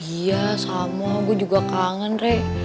iya sama gue juga kangen re